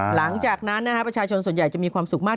หลังจากนั้นประชาชนส่วนใหญ่จะมีความสุขมาก